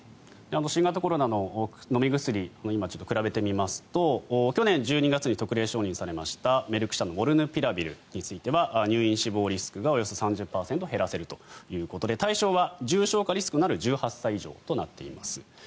新型コロナの飲み薬比べてみますと去年１２月に特例承認されましたメルク社のモルヌピラビルについては入院・死亡リスクがおよそ３０％減らせるということで対象は重症化リスクのある１８歳以上となっています。